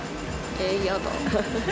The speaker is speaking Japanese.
えー、やだ。